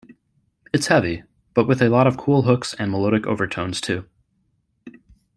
It's heavy, but with a lot of cool hooks and melodic overtones, too.